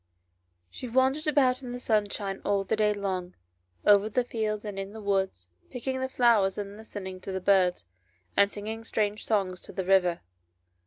SHE wandered about in the sunshine all the day long, over the fields and in the woods, picking the flowers and listening to the birds, and singing strange songs to the river.